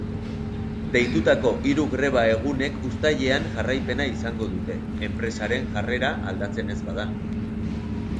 Deitutako hiru greba-egunek uztailean jarraipena izango dute, enpresaren jarrera aldatzen ez bada.